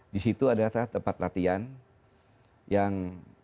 di situ adalah tempat latihan yang